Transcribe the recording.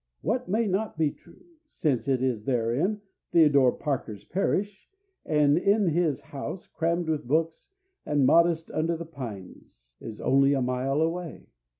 What may not be true, since it is within Theodore Parker's parish, and his house, crammed with books, and modest under the pines, is only a mile away?